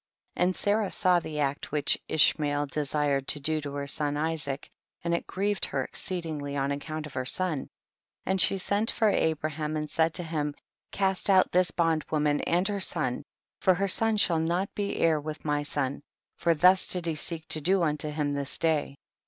15. And Sarah saw the act which Ishmael desired to do to her son Isaac, and it grieved her exceedingly on accoimt of her son, and she sent for Abraham and said to him, cast out this bondwoman and her son, for her son shall not be heir with my son, for thus did he seek to do unto him this day.